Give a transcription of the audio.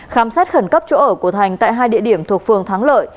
khám xét khẩn cấp chỗ ở của thành tại hai địa điểm thuộc phường thắng lợi